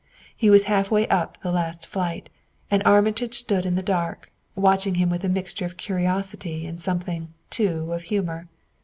He was half way up the last flight, and Armitage stood in the dark, watching him with a mixture of curiosity and something, too, of humor.